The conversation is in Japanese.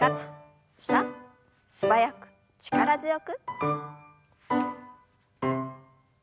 素早く力強く。